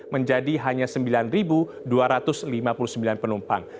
menjadi hanya sembilan dua ratus lima puluh sembilan penumpang